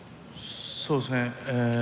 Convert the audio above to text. そうですね。